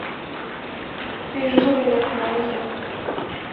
في جزرنا القمرية.